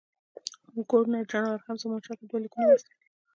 ګورنر جنرال هم زمانشاه ته دوه لیکونه واستول.